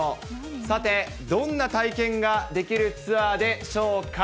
さて、どんな体験ができるツアーでしょうか。